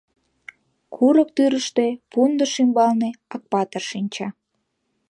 Курык тӱрыштӧ, пундыш ӱмбалне, Акпатыр шинча.